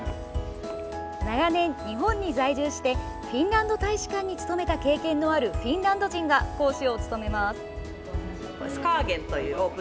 長年、日本に在住してフィンランド大使館に勤めた経験のあるフィンランド人が講師を務めます。